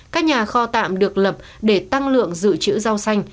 các nhà kho tạm được lập để tăng lượng dự trữ rau xanh